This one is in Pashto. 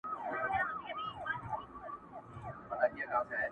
هم مُلا هم گاونډیانو ته منلی!!